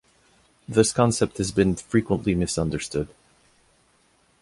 This concept has been frequently misunderstood.